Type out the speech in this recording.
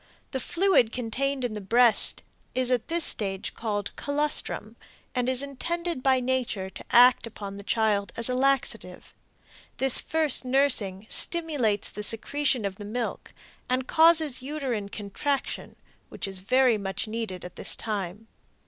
The fluid contained in the breast is at this stage called colostrum, and is intended by Nature to act upon the child as a laxative. This first nursing stimulates the secretion of the milk and causes uterine contraction, which is very much needed at this time.